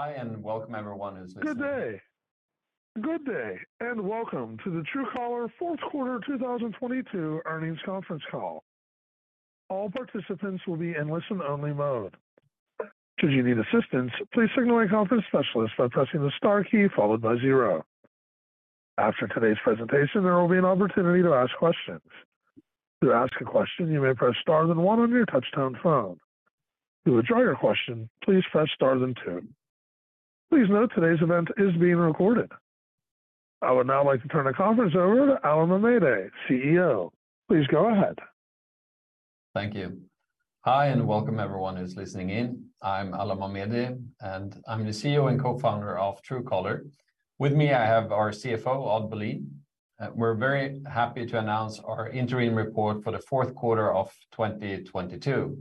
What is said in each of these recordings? Hi, welcome everyone who's listening. Good day. Good day, welcome to the Truecaller Fourth Quarter 2022 Earnings Conference Call. All participants will be in listen-only mode. Should you need assistance, please signal a conference specialist by pressing the star key followed by zero. After today's presentation, there will be an opportunity to ask questions. To ask a question, you may press star then one on your touchtone phone. To withdraw your question, please press star then two. Please note today's event is being recorded. I would now like to turn the conference over to Alan Mamedi, CEO. Please go ahead. Thank you. Hi, welcome everyone who's listening in. I'm Alan Mamedi, and I'm the CEO and co-founder of Truecaller. With me, I have our CFO, Odd Bolin. We're very happy to announce our interim report for the fourth quarter of 2022.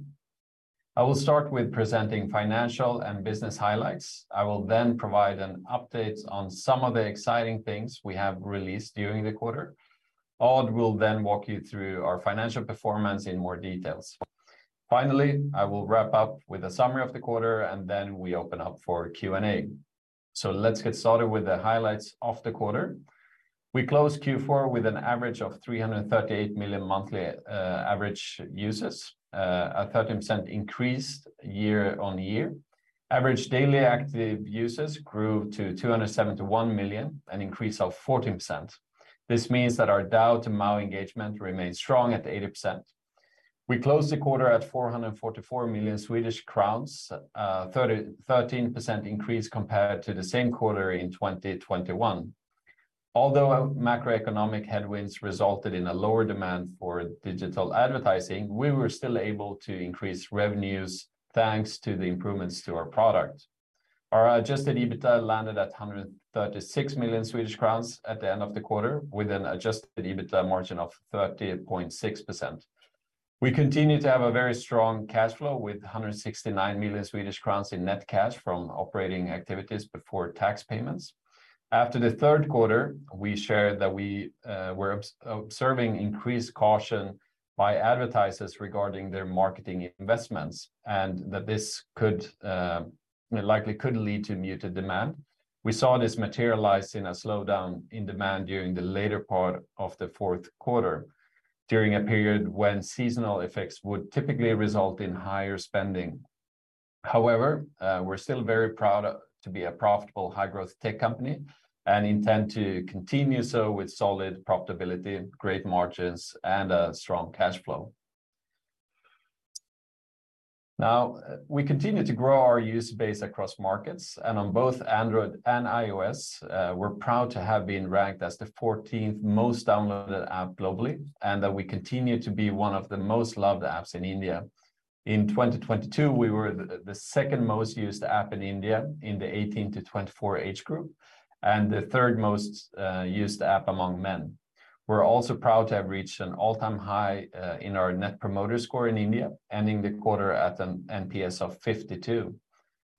I will start with presenting financial and business highlights. I will provide an update on some of the exciting things we have released during the quarter. Odd will walk you through our financial performance in more details. Finally, I will wrap up with a summary of the quarter, and then we open up for Q&A. Let's get started with the highlights of the quarter. We closed Q4 with an average of 338 million monthly average users, a 13% increase year-on-year. Average daily active users grew to 271 million, an increase of 14%. This means that our DAU to MAU engagement remains strong at 80%. We closed the quarter at 444 million Swedish crowns, 13% increase compared to the same quarter in 2021. Although macroeconomic headwinds resulted in a lower demand for digital advertising, we were still able to increase revenues thanks to the improvements to our product. Our adjusted EBITDA landed at 136 million Swedish crowns at the end of the quarter, with an adjusted EBITDA margin of 30.6%. We continue to have a very strong cash flow, with 169 million Swedish crowns in net cash from operating activities before tax payments. After the third quarter, we shared that we were observing increased caution by advertisers regarding their marketing investments, this likely could lead to muted demand. We saw this materialize in a slowdown in demand during the later part of the fourth quarter during a period when seasonal effects would typically result in higher spending. We're still very proud to be a profitable high-growth tech company and intend to continue so with solid profitability, great margins, and a strong cash flow. We continue to grow our user base across markets and on both Android and iOS. We're proud to have been ranked as the 14th most downloaded app globally, we continue to be one of the most loved apps in India. In 2022, we were the second most used app in India in the 18-24 age group, and the third most used app among men. We're also proud to have reached an all-time high in our net promoter score in India, ending the quarter at an NPS of 52.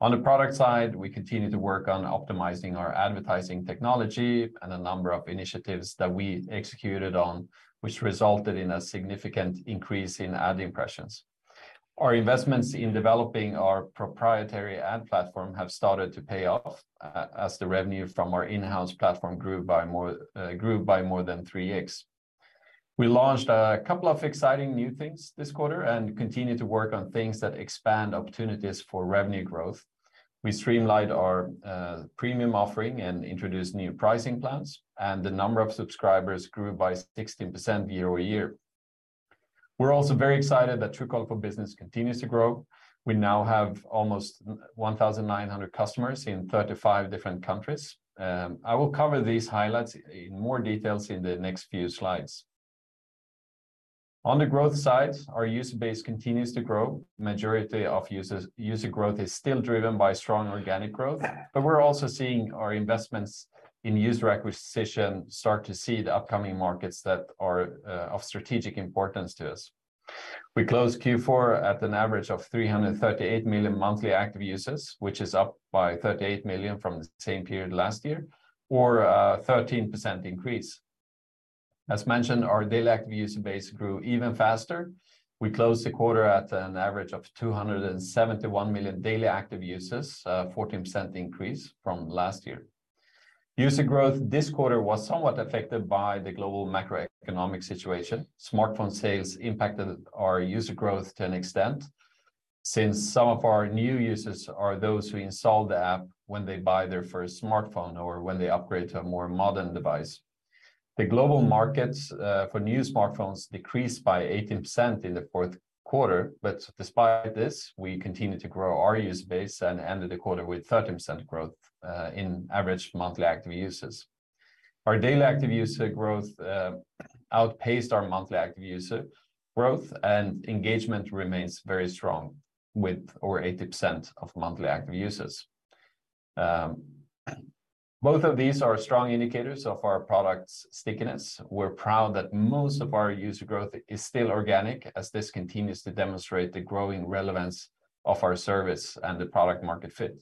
On the product side, we continue to work on optimizing our advertising technology and a number of initiatives that we executed on, which resulted in a significant increase in ad impressions. Our investments in developing our proprietary ad platform have started to pay off as the revenue from our in-house platform grew by more than 3x. We launched a couple of exciting new things this quarter and continue to work on things that expand opportunities for revenue growth. We streamlined our premium offering and introduced new pricing plans. The number of subscribers grew by 16% year-over-year. We're also very excited that Truecaller for Business continues to grow. We now have almost 1,900 customers in 35 different countries. I will cover these highlights in more details in the next few slides. On the growth side, our user base continues to grow. Majority of user growth is still driven by strong organic growth. We're also seeing our investments in user acquisition start to seed upcoming markets that are of strategic importance to us. We closed Q4 at an average of 338 million monthly active users, which is up by 38 million from the same period last year or a 13% increase. As mentioned, our daily active user base grew even faster. We closed the quarter at an average of 271 million daily active users, 14% increase from last year. User growth this quarter was somewhat affected by the global macroeconomic situation. Smartphone sales impacted our user growth to an extent since some of our new users are those who install the app when they buy their first smartphone or when they upgrade to a more modern device. The global markets for new smartphones decreased by 18% in the fourth quarter. Despite this, we continued to grow our user base and ended the quarter with 13% growth in average monthly active users. Our daily active user growth outpaced our monthly active user growth, and engagement remains very strong with over 80% of monthly active users. Both of these are strong indicators of our product's stickiness. We're proud that most of our user growth is still organic, as this continues to demonstrate the growing relevance of our service and the product market fit.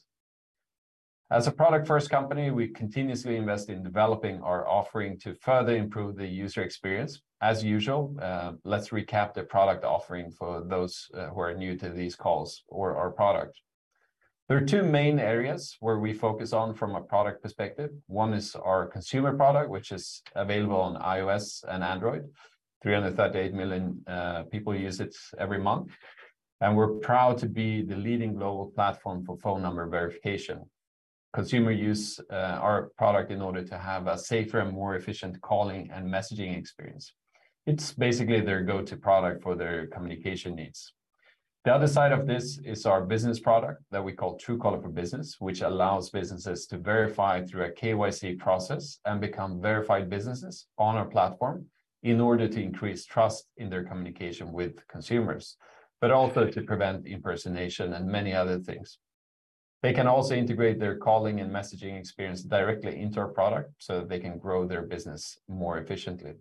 As a product-first company, we continuously invest in developing our offering to further improve the user experience. As usual, let's recap the product offering for those who are new to these calls or our product. There are two main areas where we focus on from a product perspective. One is our consumer product, which is available on iOS and Android. 338 million people use it every month, and we're proud to be the leading global platform for phone number verification. Consumer use our product in order to have a safer and more efficient calling and messaging experience. It's basically their go-to product for their communication needs. The other side of this is our business product that we call Truecaller for Business, which allows businesses to verify through a KYC process and become verified businesses on our platform in order to increase trust in their communication with consumers, but also to prevent impersonation and many other things. They can also integrate their calling and messaging experience directly into our product, that they can grow their business more efficiently.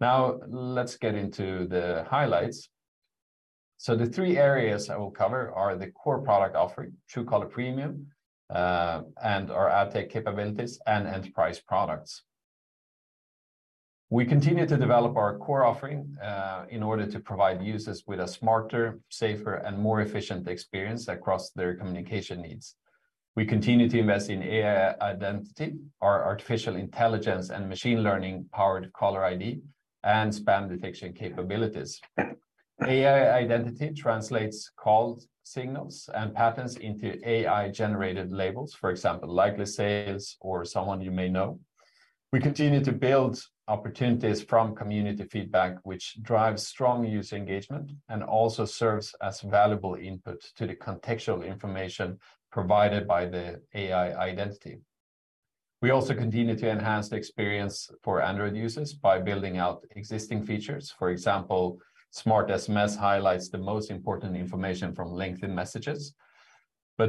Let's get into the highlights. The three areas I will cover are the core product offering, Truecaller Premium, and our AdTech capabilities and enterprise products. We continue to develop our core offering, in order to provide users with a smarter, safer, and more efficient experience across their communication needs. We continue to invest in AI Identity or artificial intelligence and machine learning-powered caller ID and spam detection capabilities. AI identity translates called signals and patterns into AI-generated labels, for example, likely sales or someone you may know. We continue to build opportunities from community feedback, which drives strong user engagement and also serves as valuable input to the contextual information provided by the AI identity. We also continue to enhance the experience for Android users by building out existing features. Smart SMS highlights the most important information from lengthy messages.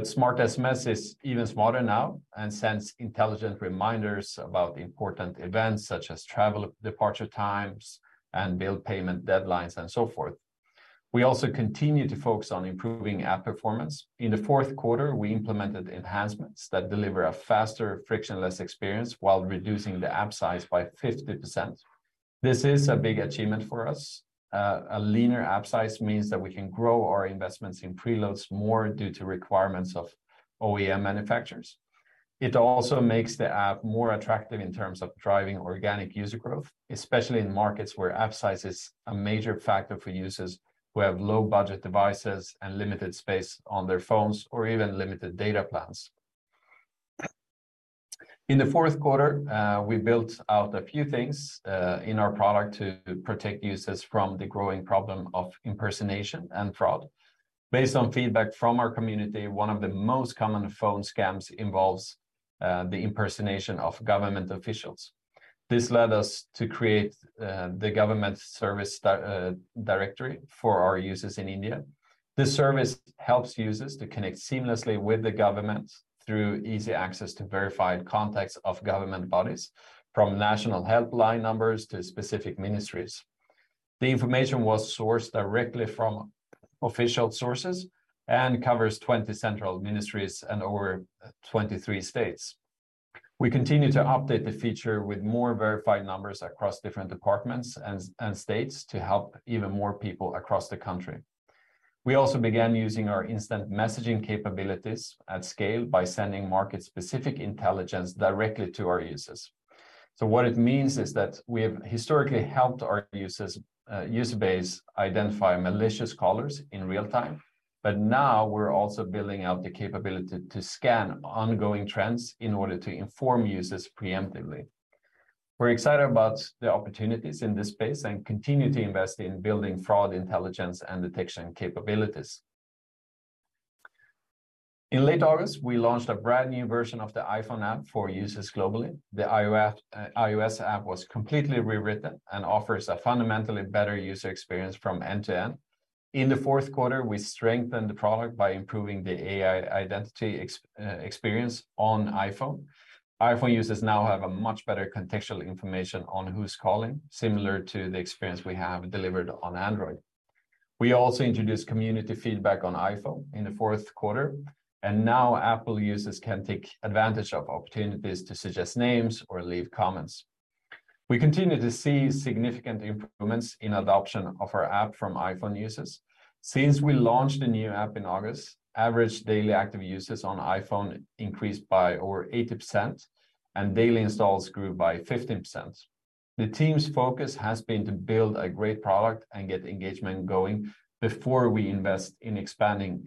Smart SMS is even smarter now and sends intelligent reminders about important events such as travel departure times and bill payment deadlines and so forth. We also continue to focus on improving app performance. In the fourth quarter, we implemented enhancements that deliver a faster, frictionless experience while reducing the app size by 50%. This is a big achievement for us. A leaner app size means that we can grow our investments in preloads more due to requirements of OEM manufacturers. It also makes the app more attractive in terms of driving organic user growth, especially in markets where app size is a major factor for users who have low budget devices and limited space on their phones or even limited data plans. In the fourth quarter, we built out a few things in our product to protect users from the growing problem of impersonation and fraud. Based on feedback from our community, one of the most common phone scams involves the impersonation of government officials. This led us to create the Government Service Directory for our users in India. This service helps users to connect seamlessly with the government through easy access to verified contacts of government bodies, from national helpline numbers to specific ministries. The information was sourced directly from official sources and covers 20 central ministries and over 23 states. We continue to update the feature with more verified numbers across different departments and states to help even more people across the country. What it means is that we have historically helped our users user base identify malicious callers in real time, but now we're also building out the capability to scan ongoing trends in order to inform users preemptively. We're excited about the opportunities in this space and continue to invest in building fraud intelligence and detection capabilities. In late August, we launched a brand new version of the iPhone app for users globally. The iOS app was completely rewritten and offers a fundamentally better user experience from end to end. In the fourth quarter, we strengthened the product by improving the AI Identity experience on iPhone. iPhone users now have a much better contextual information on who's calling, similar to the experience we have delivered on Android. We also introduced community feedback on iPhone in the fourth quarter, and now Apple users can take advantage of opportunities to suggest names or leave comments. We continue to see significant improvements in adoption of our app from iPhone users. Since we launched the new app in August, average daily active users on iPhone increased by over 80%, and daily installs grew by 15%. The team's focus has been to build a great product and get engagement going before we invest in expanding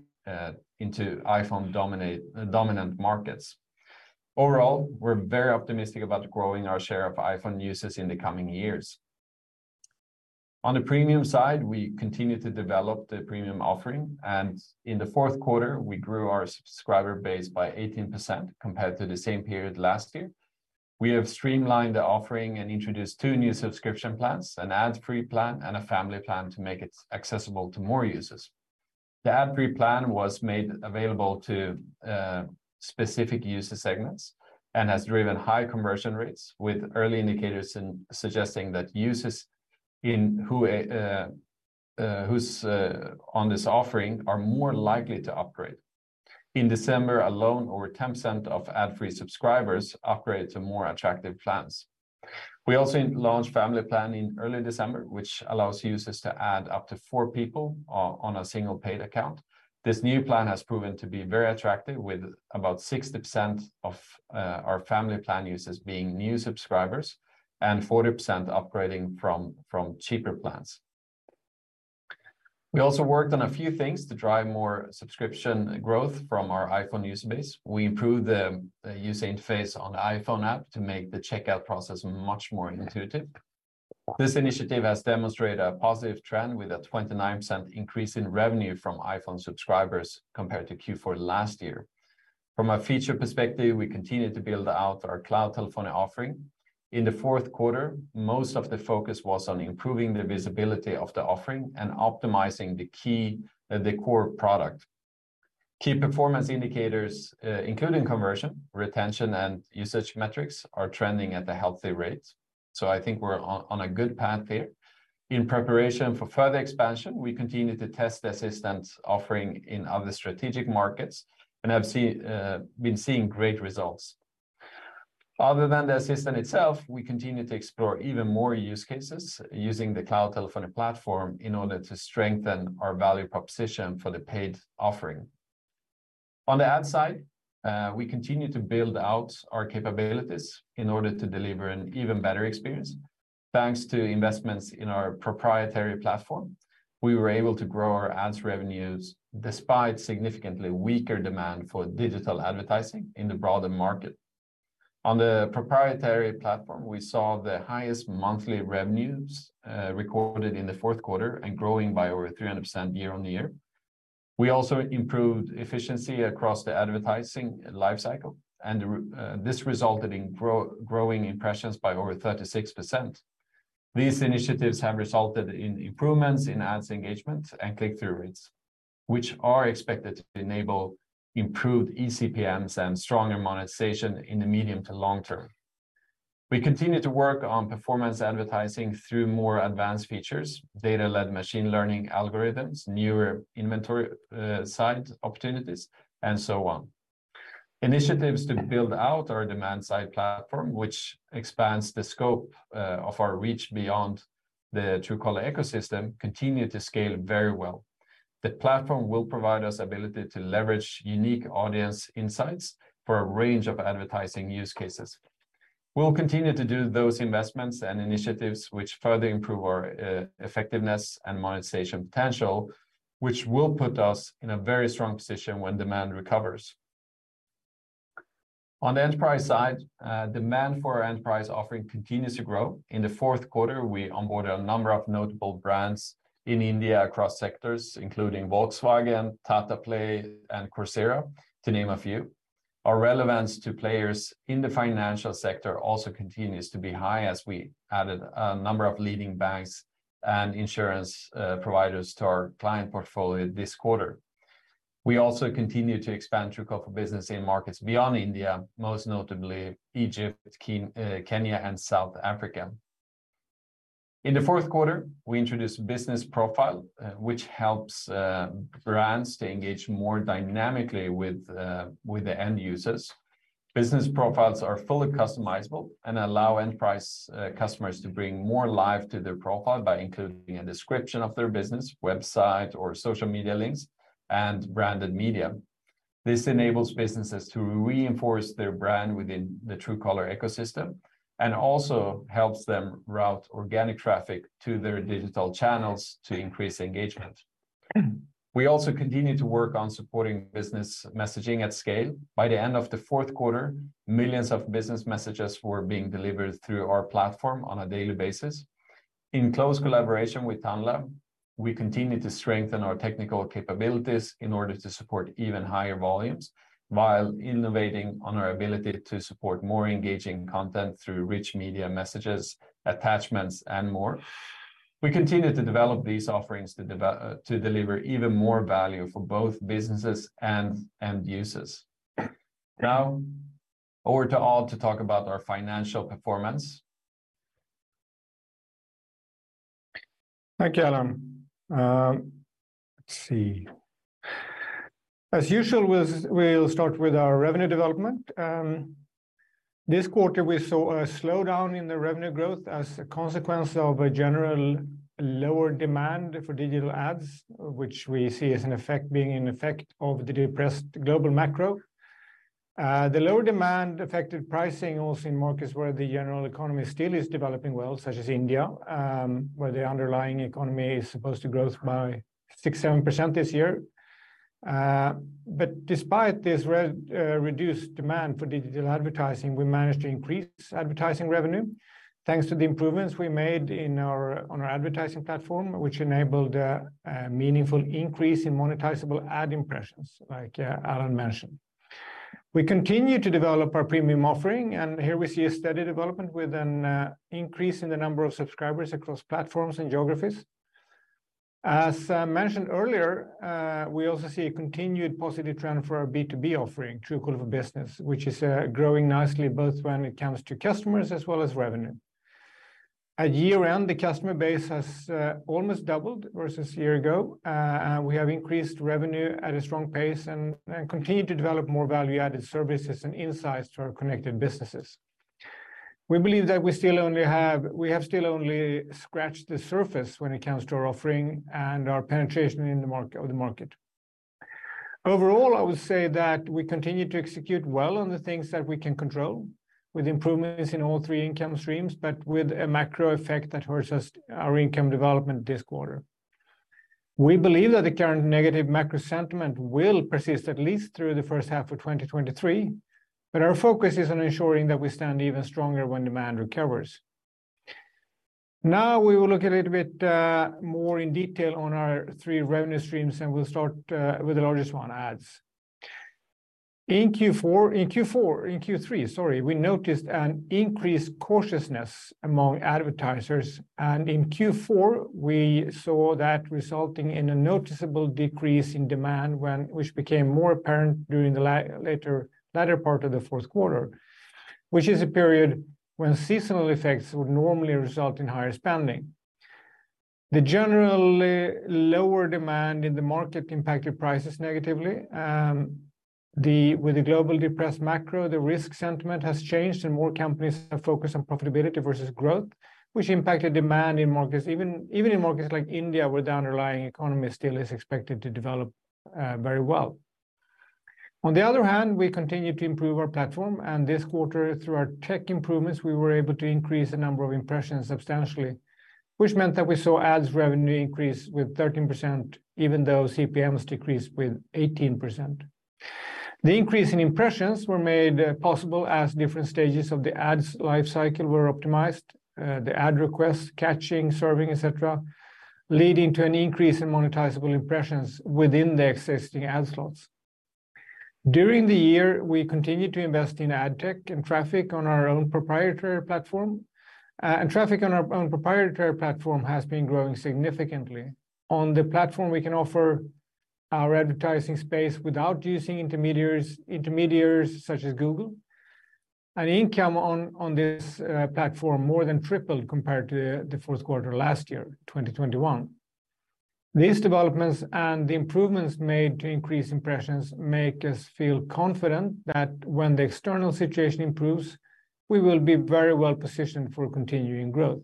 into iPhone dominant markets. Overall, we're very optimistic about growing our share of iPhone users in the coming years. On the premium side, we continue to develop the premium offering, and in the fourth quarter, we grew our subscriber base by 18% compared to the same period last year. We have streamlined the offering and introduced two new subscription plans, an ad free plan and a family plan to make it accessible to more users. The ad free plan was made available to specific user segments and has driven high conversion rates with early indicators suggesting that users who's on this offering are more likely to upgrade. In December alone, over 10% of ad-free subscribers upgraded to more attractive plans. We also launched family plan in early December, which allows users to add up to four people on a single paid account. This new plan has proven to be very attractive, with about 60% of our family plan users being new subscribers and 40% upgrading from cheaper plans. We also worked on a few things to drive more subscription growth from our iPhone user base. We improved the user interface on the iPhone app to make the checkout process much more intuitive. This initiative has demonstrated a positive trend, with a 29% increase in revenue from iPhone subscribers compared to Q4 last year. From a feature perspective, we continued to build out our cloud telephony offering. In the fourth quarter, most of the focus was on improving the visibility of the offering and optimizing the core product. Key performance indicators, including conversion, retention, and usage metrics, are trending at a healthy rate, so I think we're on a good path here. In preparation for further expansion, we continued to test the Assistant offering in other strategic markets and have been seeing great results. Other than the Assistant itself, we continue to explore even more use cases using the cloud telephony platform in order to strengthen our value proposition for the paid offering. On the ad side, we continue to build out our capabilities in order to deliver an even better experience. Thanks to investments in our proprietary platform, we were able to grow our ads revenues despite significantly weaker demand for digital advertising in the broader market. On the proprietary platform, we saw the highest monthly revenues recorded in the fourth quarter and growing by over 300% year-on-year. We also improved efficiency across the advertising lifecycle, and this resulted in growing impressions by over 36%. These initiatives have resulted in improvements in ads engagement and click-through rates, which are expected to enable improved eCPMs and stronger monetization in the medium to long term. We continue to work on performance advertising through more advanced features, data-led machine learning algorithms, newer inventory, site opportunities, and so on. Initiatives to build out our demand-side platform, which expands the scope of our reach beyond the Truecaller ecosystem, continue to scale very well. The platform will provide us ability to leverage unique audience insights for a range of advertising use cases. We'll continue to do those investments and initiatives which further improve our effectiveness and monetization potential, which will put us in a very strong position when demand recovers. On the enterprise side, demand for our enterprise offering continues to grow. In the fourth quarter, we onboarded a number of notable brands in India across sectors, including Volkswagen, Tata Play, and Coursera, to name a few. Our relevance to players in the financial sector also continues to be high, as we added a number of leading banks and insurance providers to our client portfolio this quarter. We also continue to expand Truecaller business in markets beyond India, most notably Egypt, Kenya, and South Africa. In the fourth quarter, we introduced Business Profile, which helps brands to engage more dynamically with the end users. Business Profiles are fully customizable and allow enterprise customers to bring more life to their profile by including a description of their business, website or social media links, and branded media. This enables businesses to reinforce their brand within the Truecaller ecosystem and also helps them route organic traffic to their digital channels to increase engagement. We also continue to work on supporting business messaging at scale. By the end of the fourth quarter, millions of business messages were being delivered through our platform on a daily basis. In close collaboration with Tanla, we continue to strengthen our technical capabilities in order to support even higher volumes while innovating on our ability to support more engaging content through rich media messages, attachments, and more. We continue to develop these offerings to deliver even more value for both businesses and end users. Over to Odd to talk about our financial performance. Thank you, Alan. Let's see. As usual, we'll start with our revenue development. This quarter, we saw a slowdown in the revenue growth as a consequence of a general lower demand for digital ads, which we see as an effect being an effect of the depressed global macro. The lower demand affected pricing also in markets where the general economy still is developing well, such as India, where the underlying economy is supposed to growth by 6%-7% this year. Despite this reduced demand for digital advertising, we managed to increase advertising revenue thanks to the improvements we made on our advertising platform, which enabled a meaningful increase in monetizable ad impressions, like Alan mentioned. We continue to develop our premium offering. Here we see a steady development with an increase in the number of subscribers across platforms and geographies. As mentioned earlier, we also see a continued positive trend for our B2B offering, Truecaller Business, which is growing nicely, both when it comes to customers as well as revenue. At year-end, the customer base has almost doubled versus a year ago. We have increased revenue at a strong pace and continue to develop more value-added services and insights to our connected businesses. We believe that we have still only scratched the surface when it comes to our offering and our penetration of the market. Overall, I would say that we continue to execute well on the things that we can control with improvements in all three income streams, but with a macro effect that hurts us, our income development this quarter. We believe that the current negative macro sentiment will persist at least through the first half of 2023, but our focus is on ensuring that we stand even stronger when demand recovers. Now we will look a little bit more in detail on our three revenue streams, and we'll start with the largest one, ads. In Q3, sorry, we noticed an increased cautiousness among advertisers, and in Q4, we saw that resulting in a noticeable decrease in demand which became more apparent during the latter part of the fourth quarter, which is a period when seasonal effects would normally result in higher spending. The generally lower demand in the market impacted prices negatively. With the globally depressed macro, the risk sentiment has changed, and more companies have focused on profitability versus growth, which impacted demand in markets, even in markets like India, where the underlying economy still is expected to develop very well. On the other hand, we continue to improve our platform, and this quarter, through our tech improvements, we were able to increase the number of impressions substantially, which meant that we saw ads revenue increase with 13%, even though CPMs decreased with 18%. The increase in impressions were made possible as different stages of the ads lifecycle were optimized, the ad request, caching, serving, et cetera, leading to an increase in monetizable impressions within the existing ad slots. During the year, we continued to invest in AdTech and traffic on our own proprietary platform, and traffic on our own proprietary platform has been growing significantly. On the platform, we can offer our advertising space without using intermediaries such as Google. Income on this platform more than tripled compared to the fourth quarter last year, 2021. These developments and the improvements made to increase impressions make us feel confident that when the external situation improves, we will be very well positioned for continuing growth.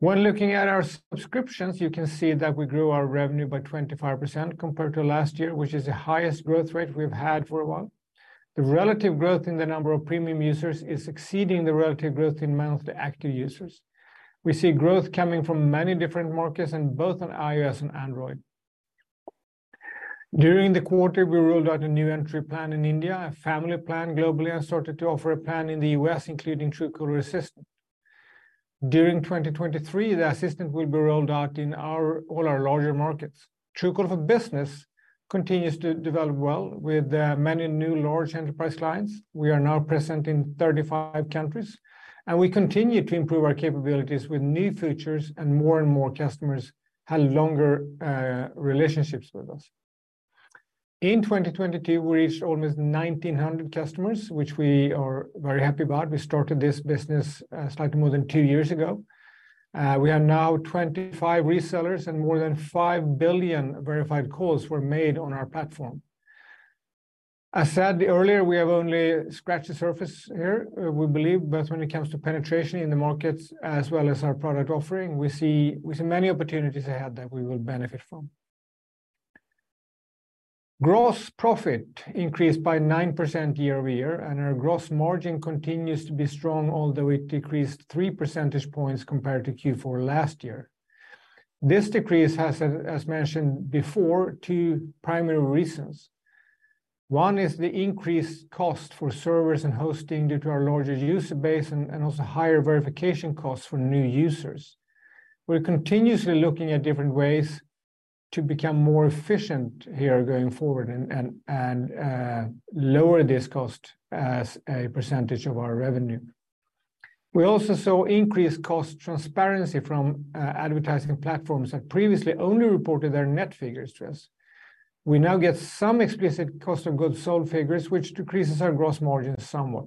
Looking at our subscriptions, you can see that we grew our revenue by 25% compared to last year, which is the highest growth rate we've had for a while. The relative growth in the number of Premium users is exceeding the relative growth in monthly active users. We see growth coming from many different markets and both on iOS and Android. During the quarter, we rolled out a new entry plan in India, a family plan globally, and started to offer a plan in the U.S., including Truecaller Assistant. During 2023, the Assistant will be rolled out in all our larger markets. Truecaller for Business continues to develop well with many new large enterprise clients. We are now present in 35 countries. We continue to improve our capabilities with new features and more and more customers have longer relationships with us. In 2022, we reached almost 1,900 customers, which we are very happy about. We started this business slightly more than two years ago. We are now 25 resellers and more than 5 billion verified calls were made on our platform. As said earlier, we have only scratched the surface here, we believe, both when it comes to penetration in the markets as well as our product offering. We see many opportunities ahead that we will benefit from. Gross profit increased by 9% year-over-year, and our gross margin continues to be strong, although it decreased three percentage points compared to Q4 last year. This decrease has, as mentioned before, two primary reasons. One is the increased cost for servers and hosting due to our larger user base and also higher verification costs for new users. We're continuously looking at different ways to become more efficient here going forward and lower this cost as a percentage of our revenue. We also saw increased cost transparency from advertising platforms that previously only reported their net figures to us. We now get some explicit cost of goods sold figures, which decreases our gross margin somewhat.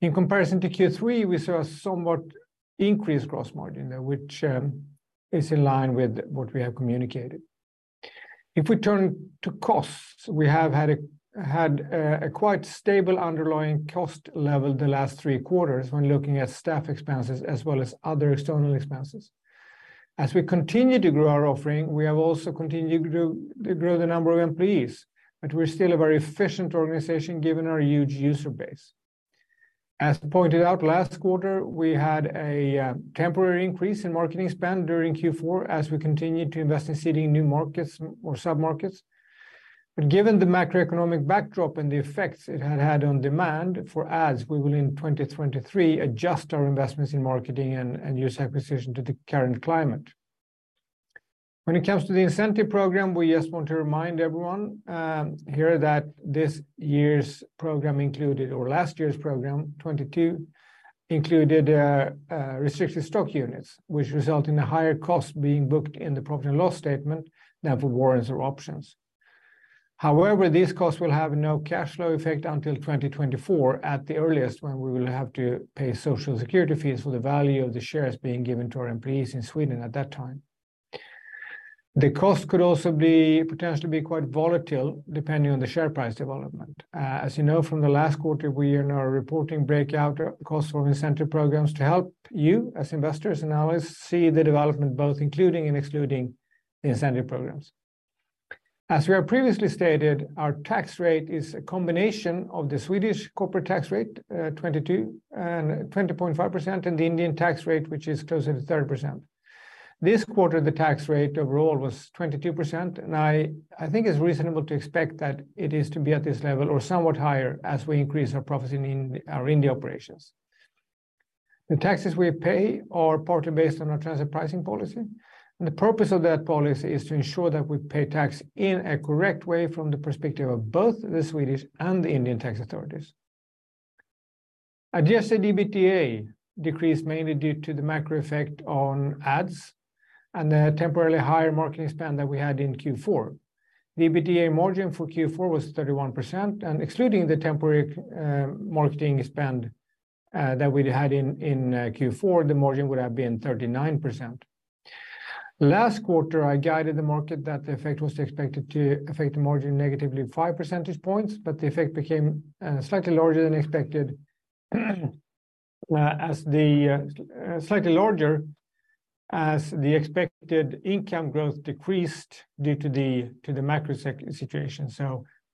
In comparison to Q3, we saw a somewhat increased gross margin, which is in line with what we have communicated. If we turn to costs, we have had a quite stable underlying cost level the last three quarters when looking at staff expenses as well as other external expenses. As we continue to grow our offering, we have also continued to grow the number of employees, but we're still a very efficient organization given our huge user base. As pointed out last quarter, we had a temporary increase in marketing spend during Q4 as we continued to invest in seeding new markets or sub-markets. Given the macroeconomic backdrop and the effects it had had on demand for ads, we will in 2023 adjust our investments in marketing and user acquisition to the current climate. When it comes to the incentive program, we just want to remind everyone here that this year's program included or last year's program, 22, included restricted stock units, which result in a higher cost being booked in the profit and loss statement than for warrants or options. However, these costs will have no cash flow effect until 2024 at the earliest, when we will have to pay social security fees for the value of the shares being given to our employees in Sweden at that time. The cost could also be potentially be quite volatile depending on the share price development. As you know from the last quarter, we in our reporting break out costs for incentive programs to help you as investors and analysts see the development both including and excluding the incentive programs. As we have previously stated, our tax rate is a combination of the Swedish corporate tax rate, 22%, 20.5%, and the Indian tax rate, which is closer to 30%. This quarter, the tax rate overall was 22%. I think it's reasonable to expect that it is to be at this level or somewhat higher as we increase our profits in our India operations. The taxes we pay are partly based on our transfer pricing policy. The purpose of that policy is to ensure that we pay tax in a correct way from the perspective of both the Swedish and the Indian tax authorities. Adjusted EBITDA decreased mainly due to the macro effect on ads and the temporarily higher marketing spend that we had in Q4. The EBITDA margin for Q4 was 31%, and excluding the temporary marketing spend that we had in Q4, the margin would have been 39%. Last quarter, I guided the market that the effect was expected to affect the margin negatively five percentage points, the effect became slightly larger than expected as the slightly larger as the expected income growth decreased due to the macro situation.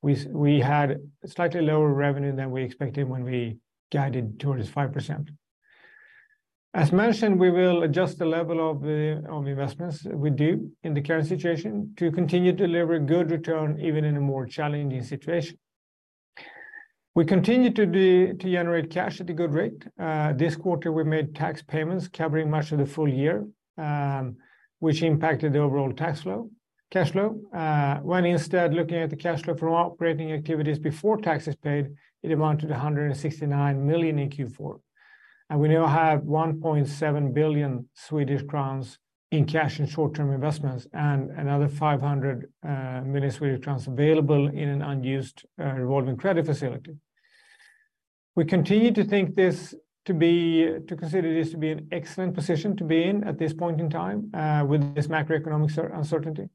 We had slightly lower revenue than we expected when we guided towards 5%. As mentioned, we will adjust the level of investments we do in the current situation to continue to deliver good return even in a more challenging situation. We continue to generate cash at a good rate. This quarter, we made tax payments covering much of the full year, which impacted the overall tax flow, cash flow. When instead looking at the cash flow from operating activities before taxes paid, it amounted to 169 million in Q4. We now have 1.7 billion Swedish crowns in cash and short-term investments and another 500 million Swedish crowns available in an unused revolving credit facility. We continue to consider this to be an excellent position to be in at this point in time, with this macroeconomic uncertainty.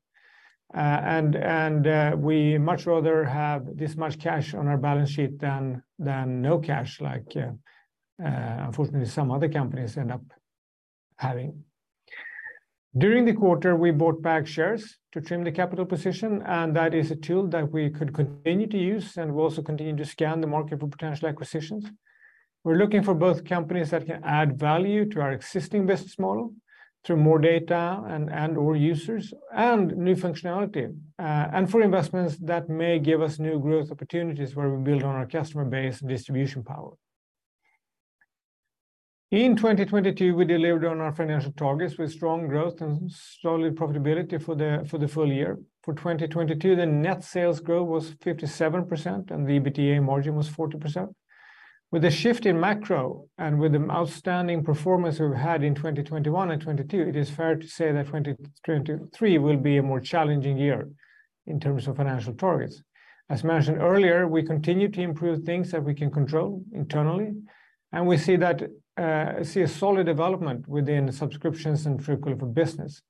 We much rather have this much cash on our balance sheet than no cash like, unfortunately, some other companies end up having. During the quarter, we bought back shares to trim the capital position. That is a tool that we could continue to use. We also continue to scan the market for potential acquisitions. We're looking for both companies that can add value to our existing business model through more data and or users and new functionality, for investments that may give us new growth opportunities where we build on our customer base and distribution power. In 2022, we delivered on our financial targets with strong growth and solid profitability for the full year. For 2022, the net sales growth was 57% and the EBITDA margin was 40%. With the shift in macro and with the outstanding performance we've had in 2021 and 2022, it is fair to say that 2023 will be a more challenging year in terms of financial targets. As mentioned earlier, we continue to improve things that we can control internally, and we see that, see a solid development within the subscriptions and Truecaller for Business.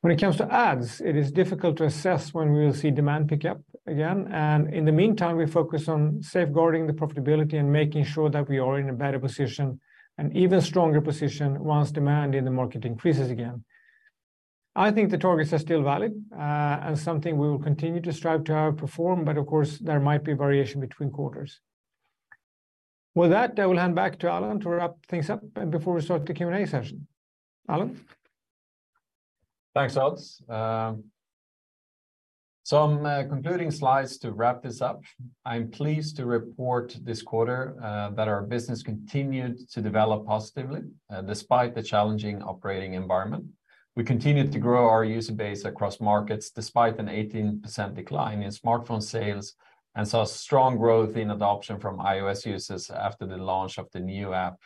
When it comes to ads, it is difficult to assess when we will see demand pick up again, and in the meantime, we focus on safeguarding the profitability and making sure that we are in a better position, an even stronger position once demand in the market increases again. I think the targets are still valid, and something we will continue to strive to outperform. Of course, there might be variation between quarters. With that, I will hand back to Alan to wrap things up and before we start the Q&A session. Alan? Thanks, Odd. Some concluding slides to wrap this up. I'm pleased to report this quarter that our business continued to develop positively despite the challenging operating environment. We continued to grow our user base across markets despite an 18% decline in smartphone sales and saw strong growth in adoption from iOS users after the launch of the new app.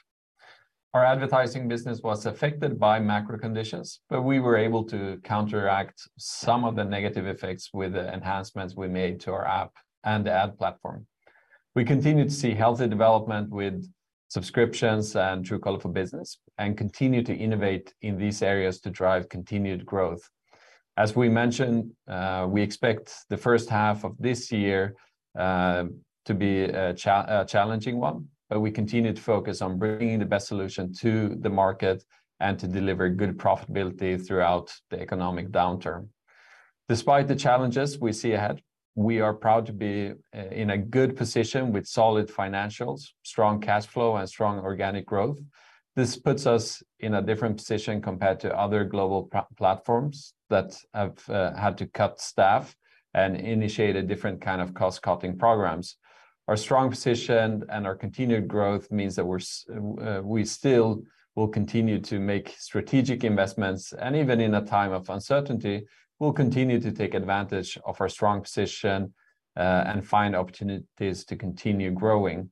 Our advertising business was affected by macro conditions, but we were able to counteract some of the negative effects with the enhancements we made to our app and the ad platform. We continued to see healthy development with subscriptions and Truecaller Business and continue to innovate in these areas to drive continued growth. As we mentioned, we expect the first half of this year to be a challenging one, but we continue to focus on bringing the best solution to the market and to deliver good profitability throughout the economic downturn. Despite the challenges we see ahead, we are proud to be in a good position with solid financials, strong cash flow, and strong organic growth. This puts us in a different position compared to other global platforms that have had to cut staff and initiate a different kind of cost-cutting programs. Our strong position and our continued growth means that we still will continue to make strategic investments, and even in a time of uncertainty, we'll continue to take advantage of our strong position and find opportunities to continue growing.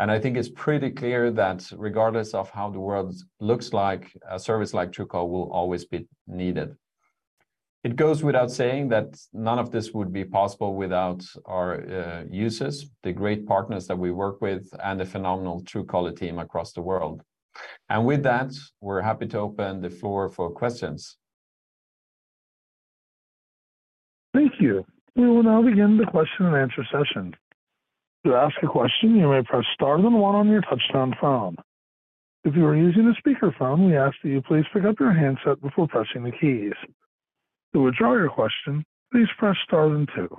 I think it's pretty clear that regardless of how the world looks like, a service like Truecaller will always be needed. It goes without saying that none of this would be possible without our users, the great partners that we work with, and the phenomenal Truecaller team across the world. With that, we're happy to open the floor for questions. Thank you. We will now begin the question-and-answer session. To ask a question, you may press star then one on your touchtone phone. If you are using a speakerphone, we ask that you please pick up your handset before pressing the keys. To withdraw your question, please press star then two.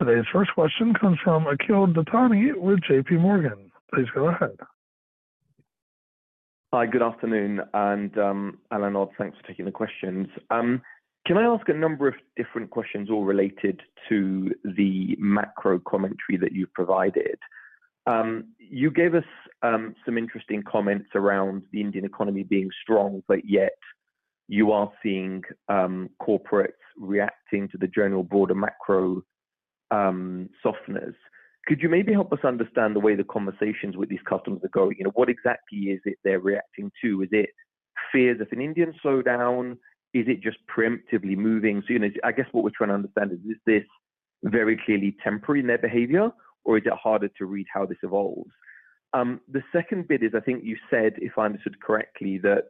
Today's first question comes from Akhil Dattani with J.P. Morgan. Please go ahead. Hi. Good afternoon. Alan, Odd, thanks for taking the questions. Can I ask a number of different questions all related to the macro commentary that you've provided? You gave us some interesting comments around the Indian economy being strong, but yet you are seeing corporates reacting to the general broader macro softeners. Could you maybe help us understand the way the conversations with these customers are going? You know, what exactly is it they're reacting to? Is it fears of an Indian slowdown? Is it just preemptively moving? You know, I guess what we're trying to understand is this very clearly temporary in their behavior, or is it harder to read how this evolves? The second bit is, I think you said, if I understood correctly, that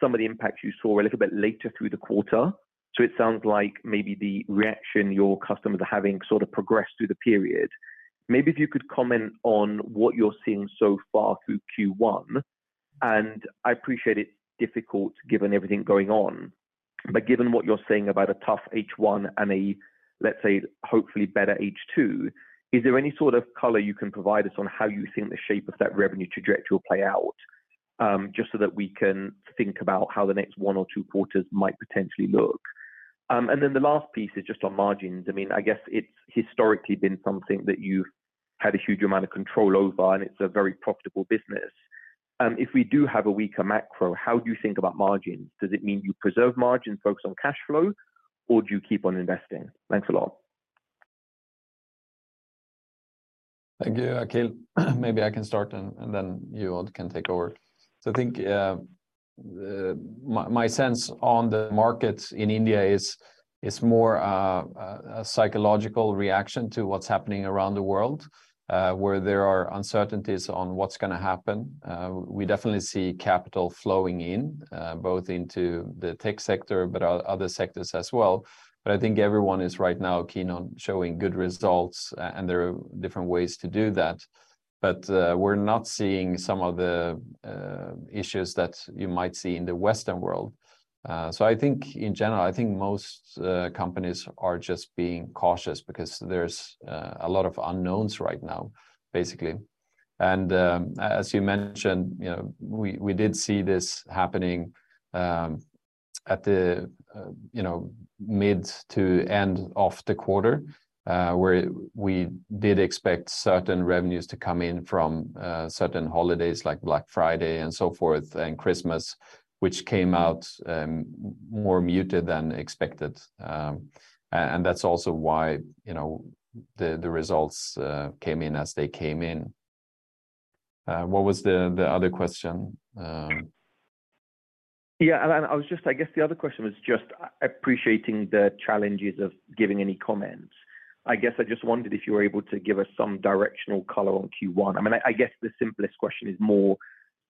some of the impacts you saw were a little bit later through the quarter. It sounds like maybe the reaction your customers are having sort of progressed through the period. Maybe if you could comment on what you're seeing so far through Q1. I appreciate it's difficult given everything going on, but given what you're saying about a tough H1 and a, let's say, hopefully better H2, is there any sort of color you can provide us on how you think the shape of that revenue trajectory will play out? Just so that we can think about how the next one or two quarters might potentially look. The last piece is just on margins. I mean, I guess it's historically been something that you've had a huge amount of control over, and it's a very profitable business. If we do have a weaker macro, how do you think about margins? Does it mean you preserve margin, focus on cash flow, or do you keep on investing? Thanks a lot. Thank you, Akhil. Maybe I can start and then you, Odd, can take over. I think my sense on the market in India is more a psychological reaction to what's going to happen around the world, where there are uncertainties on what's going to happen. We definitely see capital flowing in both into the tech sector but other sectors as well. I think everyone is right now keen on showing good results, and there are different ways to do that. We're not seeing some of the issues that you might see in the Western world. I think in general, I think most companies are just being cautious because there's a lot of unknowns right now, basically. As you mentioned, you know, we did see this happening, at the, you know, mid-to-end of the quarter, where we did expect certain revenues to come in from, certain holidays like Black Friday and so forth, and Christmas, which came out, more muted than expected. That's also why, you know, the results came in as they came in. What was the other question? Yeah. I guess the other question was just appreciating the challenges of giving any comment. I guess I just wondered if you were able to give us some directional color on Q1. I mean, I guess the simplest question is more,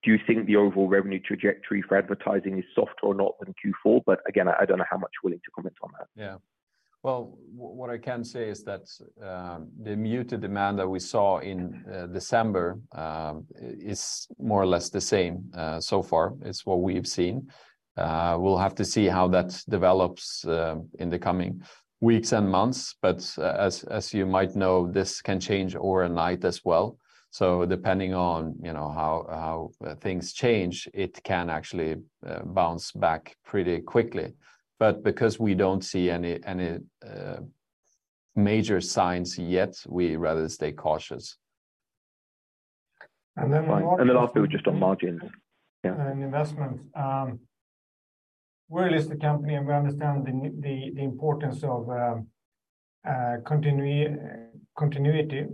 do you think the overall revenue trajectory for advertising is softer or not than Q4? Again, I don't know how much you're willing to comment on that. Yeah. Well, what I can say is that, the muted demand that we saw in December, is more or less the same, so far is what we've seen. We'll have to see how that develops in the coming weeks and months. As you might know, this can change overnight as well. Depending on, you know, how things change, it can actually bounce back pretty quickly. Because we don't see any major signs yet, we rather stay cautious. And then last- Fine. The last bit was just on margins. Yeah. Investments. We're a listed company, and we understand the importance of continuity.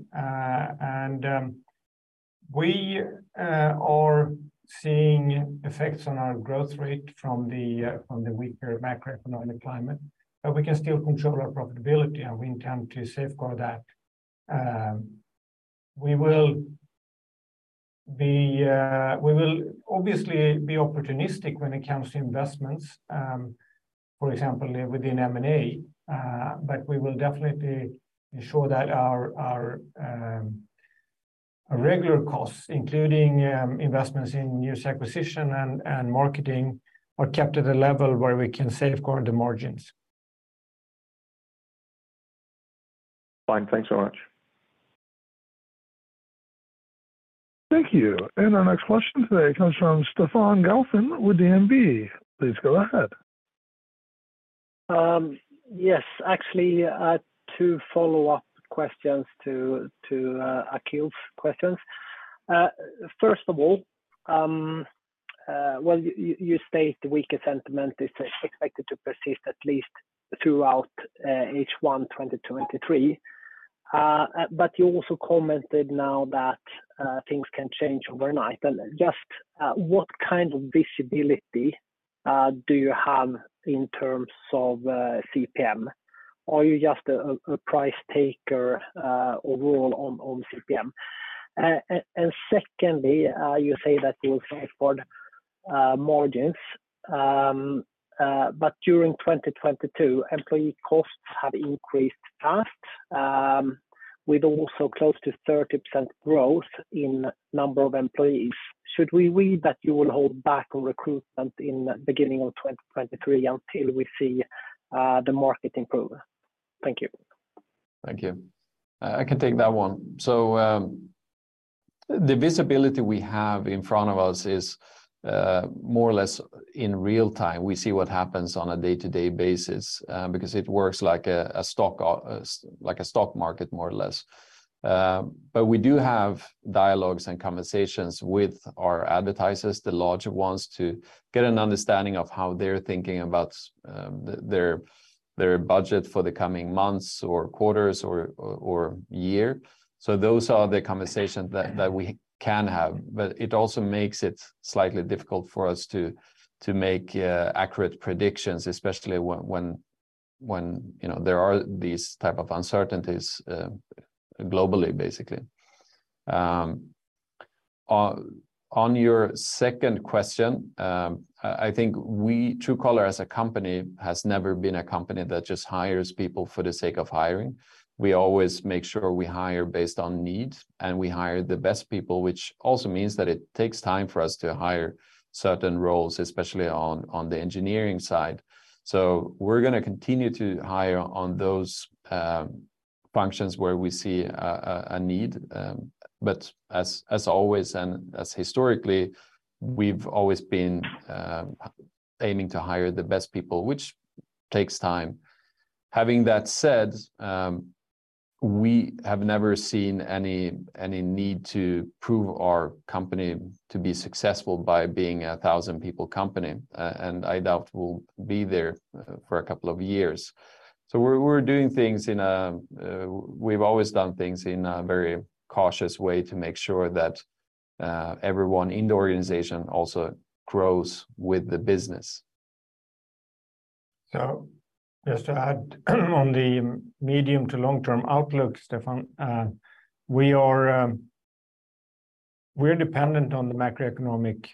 We are seeing effects on our growth rate from the weaker macroeconomic climate. We can still control our profitability, and we intend to safeguard that. We will obviously be opportunistic when it comes to investments, for example, within M&A. We will definitely ensure that our regular costs, including investments in news acquisition and marketing, are kept at a level where we can safeguard the margins. Fine. Thanks so much. Thank you. Our next question today comes from Stefan Grefsen with DNB. Please go ahead. Yes. Actually, two follow-up questions to Akhil's questions. First of all, Well, you state the weaker sentiment is expected to persist at least throughout H1 2023. You also commented now that things can change overnight. Just what kind of visibility do you have in terms of CPM? Are you just a price taker overall on CPM? Secondly, you say that you will safeguard margins. During 2022, employee costs have increased fast, with also close to 30% growth in number of employees. Should we read that you will hold back on recruitment in beginning of 2023 until we see the market improve? Thank you. Thank you. I can take that one. The visibility we have in front of us is more or less in real time. We see what happens on a day-to-day basis because it works like a stock market, more or less. We do have dialogues and conversations with our advertisers, the larger ones, to get an understanding of how they're thinking about their budget for the coming months or quarters or year. Those are the conversations that we can have. It also makes it slightly difficult for us to make accurate predictions, especially when, you know, there are these type of uncertainties globally, basically. On your second question, I think we- Truecaller as a company has never been a company that just hires people for the sake of hiring. We always make sure we hire based on need, and we hire the best people, which also means that it takes time for us to hire certain roles, especially on the engineering side. We're gonna continue to hire on those functions where we see a need. As always, and as historically, we've always been aiming to hire the best people, which takes time. Having that said, we have never seen any need to prove our company to be successful by being a 1,000-people company, and I doubt we'll be there for two years. We're doing things in a. We've always done things in a very cautious way to make sure that everyone in the organization also grows with the business. Just to add on the medium to long-term outlook, Stefan, we are we're dependent on the macroeconomic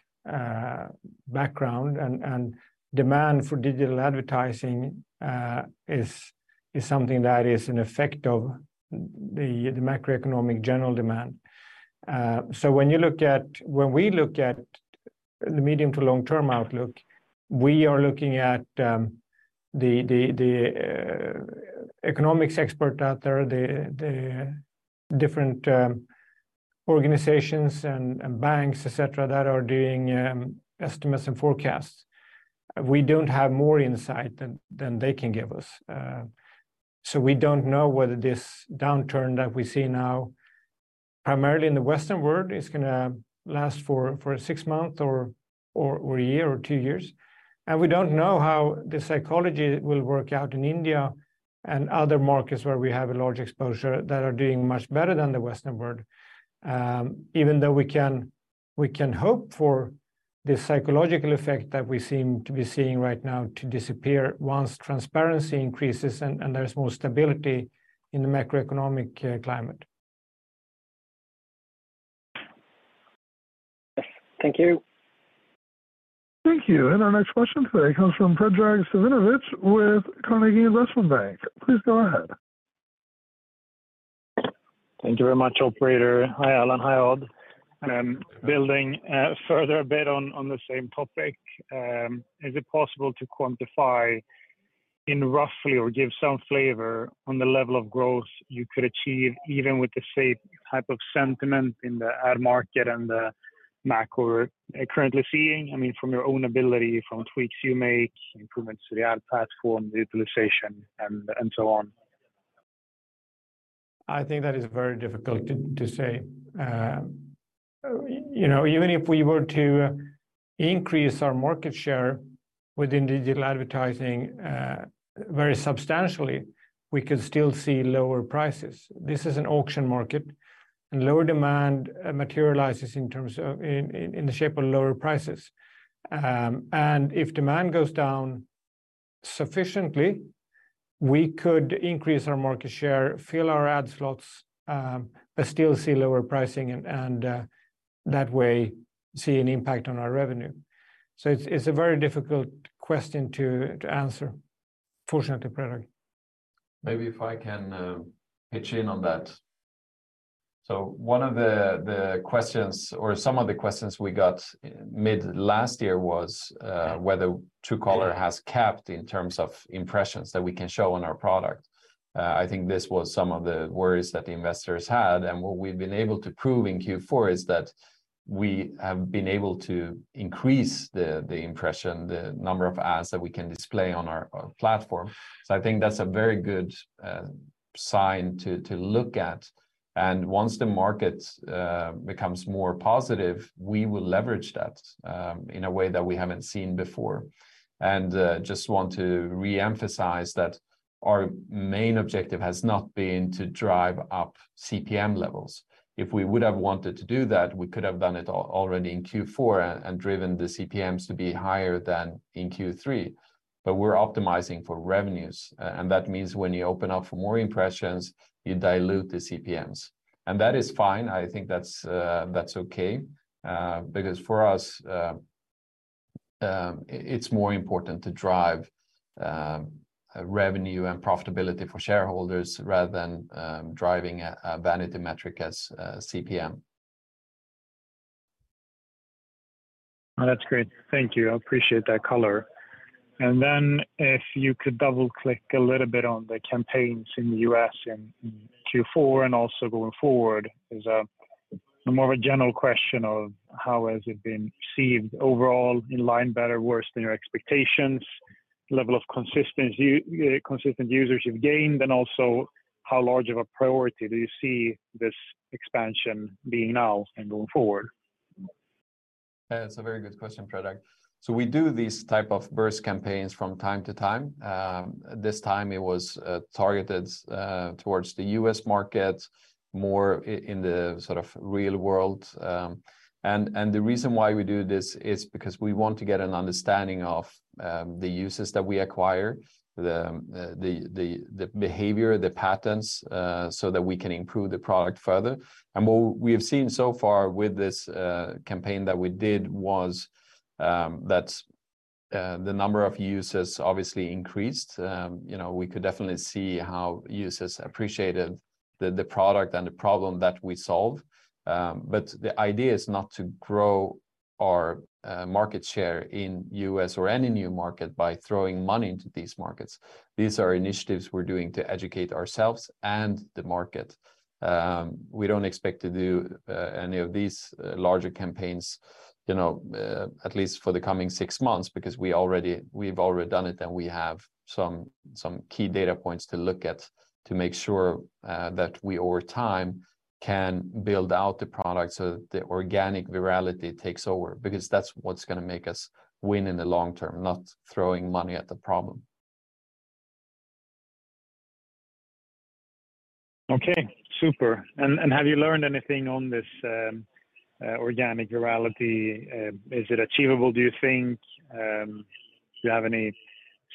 background and demand for digital advertising is something that is an effect of the macroeconomic general demand. When we look at the medium to long-term outlook, we are looking at the economics expert out there, the different organizations and banks, et cetera, that are doing estimates and forecasts. We don't have more insight than they can give us. We don't know whether this downturn that we see now, primarily in the Western world, is gonna last for six months or a year or two years. We don't know how the psychology will work out in India and other markets where we have a large exposure that are doing much better than the Western world. Even though we can hope for the psychological effect that we seem to be seeing right now to disappear once transparency increases and there's more stability in the macroeconomic climate. Yes. Thank you. Thank you. Our next question today comes from Predrag Savinovic with Carnegie Investment Bank. Please go ahead. Thank you very much, operator. Hi, Alan. Hi, Odd. Building further a bit on the same topic, is it possible to quantify in roughly or give some flavor on the level of growth you could achieve even with the same type of sentiment in the ad market and the macro we're currently seeing? I mean, from your own ability, from tweaks you make, improvements to the ad platform, utilization, and so on. I think that is very difficult to say. You know, even if we were to increase our market share within digital advertising very substantially, we could still see lower prices. This is an auction market, lower demand materializes in the shape of lower prices. If demand goes down sufficiently, we could increase our market share, fill our ad slots, but still see lower pricing and that way see an impact on our revenue. It's a very difficult question to answer. Fortunately, Predrag. Maybe if I can pitch in on that. One of the questions or some of the questions we got mid last year was whether Truecaller has capped in terms of impressions that we can show on our product. I think this was some of the worries that the investors had, and what we've been able to prove in Q4 is that we have been able to increase the impression, the number of ads that we can display on our platform. I think that's a very good sign to look at. And once the market becomes more positive, we will leverage that in a way that we haven't seen before. And just want to reemphasize that our main objective has not been to drive up CPM levels. If we would have wanted to do that, we could have done it already in Q4 and driven the CPMs to be higher than in Q3. We're optimizing for revenues, and that means when you open up for more impressions, you dilute the CPMs. That is fine. I think that's that's okay because for us it's more important to drive revenue and profitability for shareholders rather than driving a vanity metric as CPM. Oh, that's great. Thank you. I appreciate that color. If you could double-click a little bit on the campaigns in the U.S. in Q4 and also going forward is more of a general question of how has it been received overall in line better, worse than your expectations, level of consistent users you've gained, and also how large of a priority do you see this expansion being now and going forward? Yeah, it's a very good question, Predrag. We do these type of burst campaigns from time to time. This time it was targeted towards the U.S. market, more in the sort of real world. The reason why we do this is because we want to get an understanding of the users that we acquire, the behavior, the patterns, so that we can improve the product further. What we have seen so far with this campaign that we did was that the number of users obviously increased. You know, we could definitely see how users appreciated the product and the problem that we solve. The idea is not to grow our market share in U.S. or any new market by throwing money into these markets. These are initiatives we're doing to educate ourselves and the market. We don't expect to do any of these larger campaigns, you know, at least for the coming six months, because we've already done it, and we have some key data points to look at to make sure that we over time can build out the product so the organic virality takes over, because that's what's gonna make us win in the long term, not throwing money at the problem. Okay, super. Have you learned anything on this, organic virality? Is it achievable, do you think? Do you have any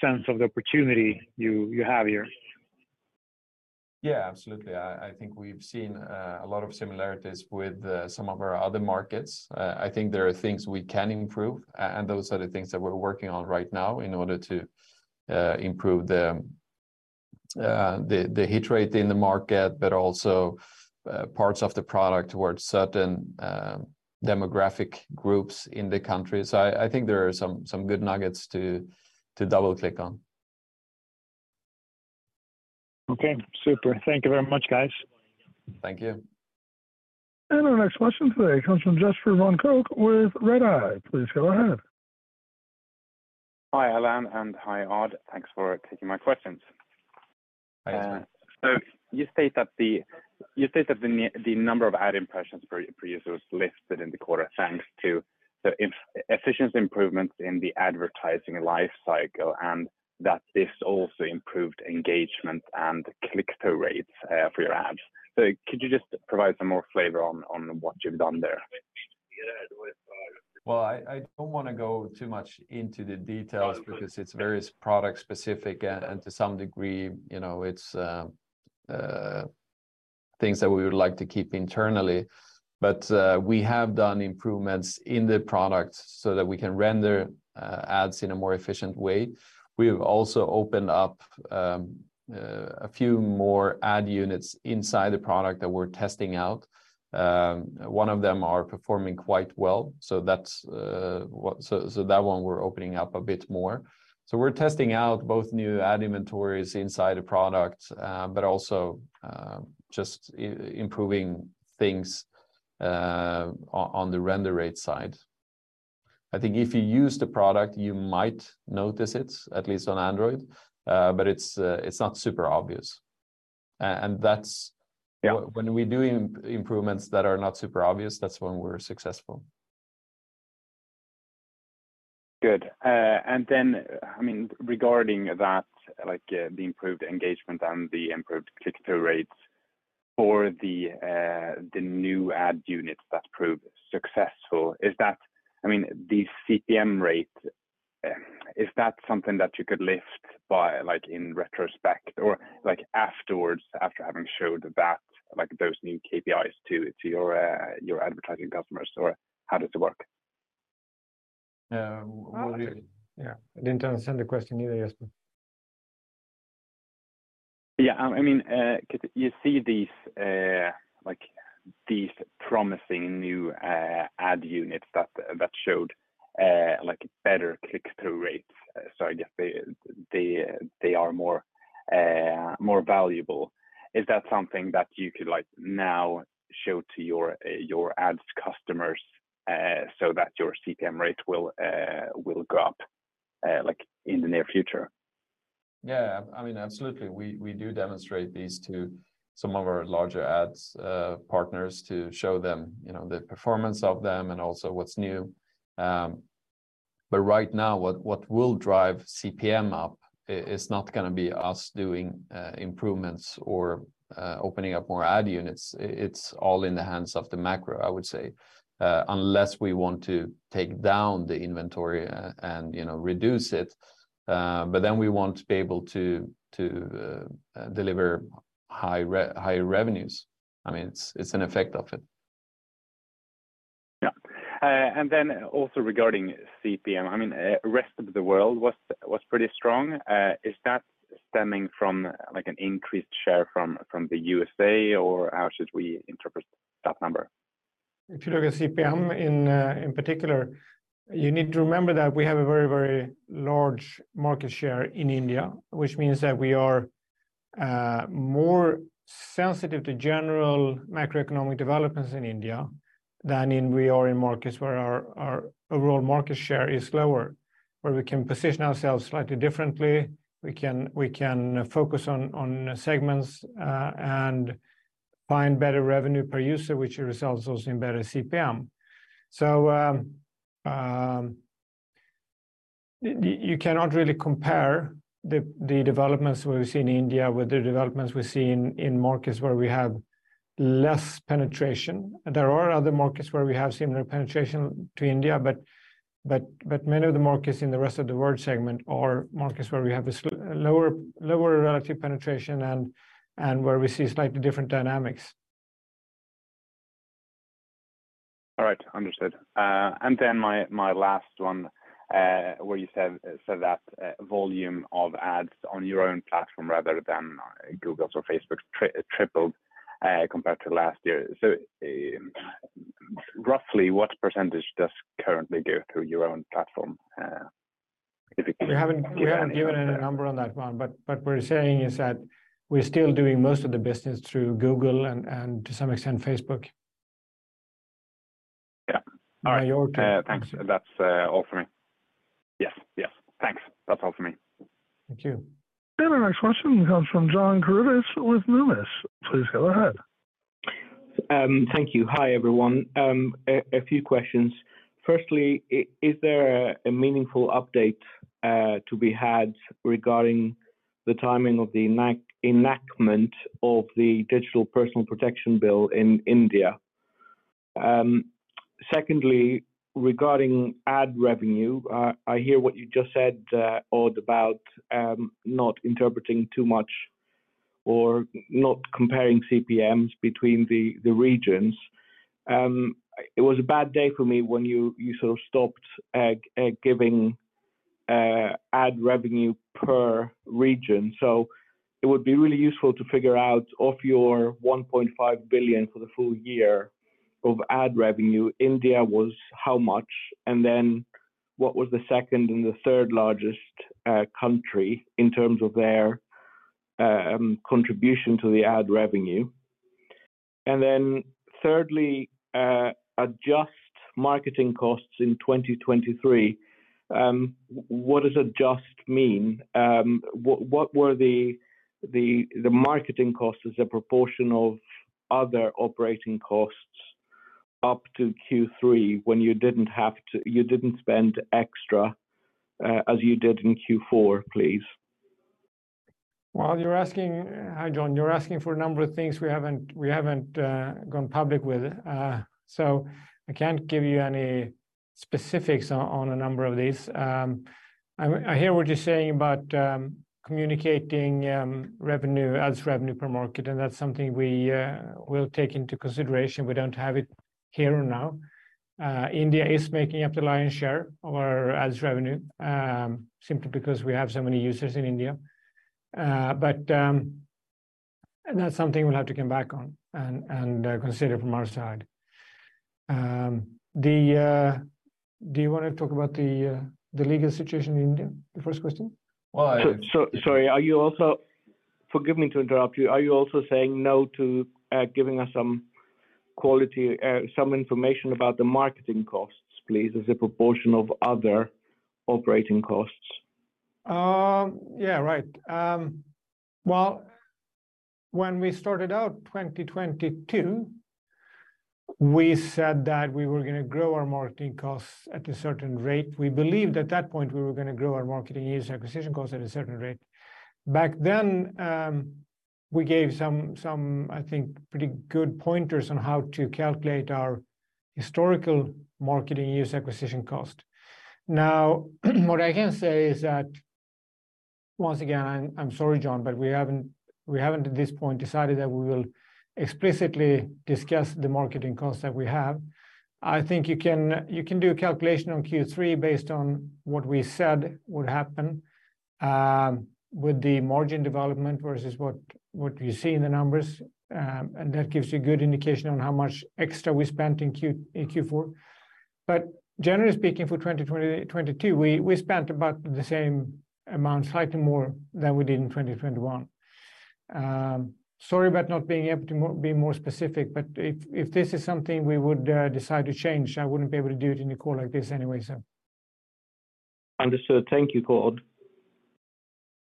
sense of the opportunity you have here? Yeah, absolutely. I think we've seen a lot of similarities with some of our other markets. I think there are things we can improve, and those are the things that we're working on right now in order to improve the the hit rate in the market, but also parts of the product towards certain demographic groups in the country. I think there are some good nuggets to double-click on. Okay, super. Thank you very much, guys. Thank you. Our next question today comes from Jesper von Koch with Redeye. Please go ahead. Hi, Alan, and hi, Odd. Thanks for taking my questions. Hi, Jesper. You state that the number of ad impressions for users lifted in the quarter, thanks to the efficiency improvements in the advertising life cycle, and that this also improved engagement and click-through rates for your ads. Could you just provide some more flavor on what you've done there? Well, I don't wanna go too much into the details because it's very product specific and to some degree, you know, it's things that we would like to keep internally. We have done improvements in the product so that we can render ads in a more efficient way. We've also opened up a few more ad units inside the product that we're testing out. One of them are performing quite well, so that's so that one we're opening up a bit more. We're testing out both new ad inventories inside the product, but also just improving things on the render rate side. I think if you use the product, you might notice it, at least on Android, but it's not super obvious. Yeah when we're doing improvements that are not super obvious, that's when we're successful. Good. I mean, regarding that, like, the improved engagement and the improved click-through rates for the new ad units that proved successful, I mean, the CPM rate, is that something that you could lift by like in retrospect or like afterwards, after having showed that, like those new KPIs to your advertising customers? Or how does it work? What do you, I don't- Yeah. I didn't understand the question either, Jesper. Yeah, I mean, 'cause you see these, like these promising new, ad units that showed, like better click-through rates. I guess they are more, more valuable. Is that something that you could like now show to your ads customers, so that your CPM rate will go up, like in the near future? I mean, absolutely. We do demonstrate these to some of our larger ads partners to show them, you know, the performance of them and also what's new. Right now, what will drive CPM up is not gonna be us doing improvements or opening up more ad units. It's all in the hands of the macro, I would say. Unless we want to take down the inventory and, you know, reduce it, then we won't be able to deliver higher revenues. I mean, it's an effect of it. Yeah. Then also regarding CPM, I mean, rest of the world was pretty strong. Is that stemming from like an increased share from the U.S.A., or how should we interpret that number? If you look at CPM in particular, you need to remember that we have a very, very large market share in India, which means that we are more sensitive to general macroeconomic developments in India than we are in markets where our overall market share is lower, where we can position ourselves slightly differently. We can focus on segments and find better revenue per user, which results also in better CPM. You cannot really compare the developments we've seen in India with the developments we see in markets where we have less penetration. There are other markets where we have similar penetration to India, but many of the markets in the rest of the world segment are markets where we have this lower relative penetration and where we see slightly different dynamics. All right. Understood. Then my last one, where you said that volume of ads on your own platform rather than Google's or Facebook's tripled compared to last year. Roughly what precentage does currently go through your own platform, if you can? We haven't given any number on that one, but what we're saying is that we're still doing most of the business through Google and to some extent Facebook. Yeah. All right. Majority. Thanks. That's all for me. Yes. Thanks. That's all for me. Thank you. Our next question comes from John Karidis with Numis. Please go ahead. Thank you. Hi, everyone. A few questions. Firstly, is there a meaningful update to be had regarding the timing of the enactment of the Digital Personal Protection Bill in India? Secondly, regarding ad revenue, I hear what you just said, Odd, about not interpreting too much or not comparing CPMs between the regions. It was a bad day for me when you sort of stopped giving ad revenue per region. So it would be really useful to figure out of your 1.5 billion for the full year of ad revenue India was how much, and then what was the second and the third largest country in terms of their contribution to the ad revenue. Thirdly, adjust marketing costs in 2023, what does adjust mean? What were the marketing costs as a proportion of other operating costs up to Q3 when you didn't spend extra as you did in Q4, please? Well, Hi, John. You're asking for a number of things we haven't gone public with. I can't give you any specifics on a number of these. I hear what you're saying about communicating revenue, ads revenue per market, and that's something we will take into consideration. We don't have it here or now. India is making up the lion's share of our ads revenue simply because we have so many users in India. That's something we'll have to come back on and consider from our side. Do you wanna talk about the legal situation in India, the first question? Well, so sorry. Forgive me to interrupt you. Are you also saying no to giving us some quality, some information about the marketing costs, please, as a proportion of other operating costs? Yeah, right. Well, when we started out 2022, we said that we were gonna grow our marketing costs at a certain rate. We believed at that point we were gonna grow our marketing user acquisition costs at a certain rate. Back then, we gave some, I think, pretty good pointers on how to calculate our historical marketing user acquisition cost. Now, what I can say is that, once again, I'm sorry, John, but we haven't at this point decided that we will explicitly discuss the marketing concept we have. I think you can do a calculation on Q3 based on what we said would happen with the margin development versus what you see in the numbers. That gives you a good indication on how much extra we spent in Q4. Generally speaking, for 2022, we spent about the same amount, slightly more than we did in 2021. Sorry about not being able to be more specific, but if this is something we would decide to change, I wouldn't be able to do it in a call like this anyway. Understood. Thank you, Odd.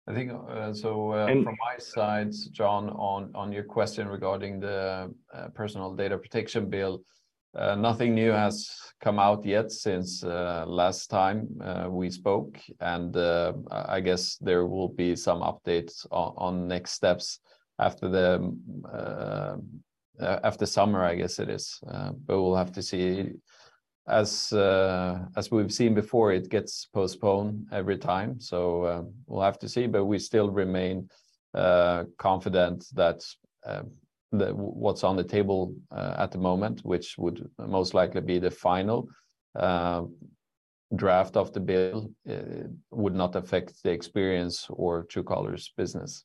I think, so. And from my side, John, on your question regarding the Personal Data Protection Bill, nothing new has come out yet since last time we spoke. I guess there will be some updates on next steps after the after summer, I guess it is. We'll have to see. As we've seen before, it gets postponed every time. We'll have to see. We still remain confident that what's on the table at the moment, which would most likely be the final draft of the bill, would not affect the experience or Truecaller's business.